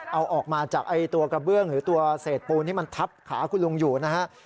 เอาออกมาจากตัวกระเบื้องหรือตัวเศษปูนที่มันทับขาคุณลุงอยู่นะฮะ